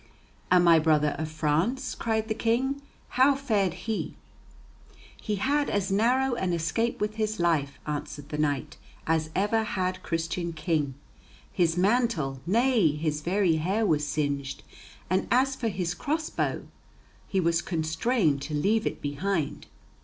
"And my brother of France," cried the King, "how fared he?" "He had as narrow an escape with his life," answered the knight, "as ever had Christian king. His mantle, nay his very hair was singed, and as for his cross bow, he was constrained to leave it behind."